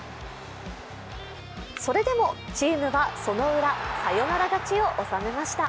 それでもチームはそのウラ、サヨナラ勝ちを収めました。